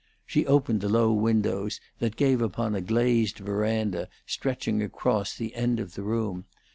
She opened the low windows that gave upon a glazed veranda stretching across the end of the room.